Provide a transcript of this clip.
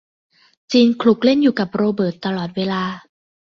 จีนขลุกเล่นอยู่กับโรเบิร์ตตลอดเวลา